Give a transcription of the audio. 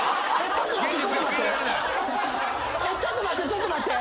ちょっと待って。